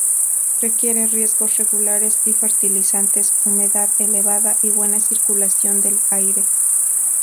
Requiere riegos regulares y fertilizantes, humedad elevada y buena circulación del aire.